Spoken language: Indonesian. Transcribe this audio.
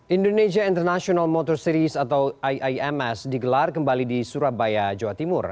indonesia international motor series atau iims digelar kembali di surabaya jawa timur